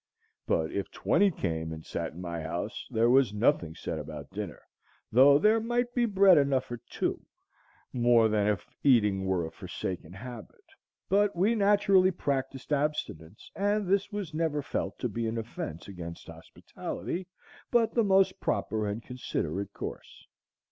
But if twenty came and sat in my house there was nothing said about dinner, though there might be bread enough for two, more than if eating were a forsaken habit; but we naturally practised abstinence; and this was never felt to be an offence against hospitality, but the most proper and considerate course.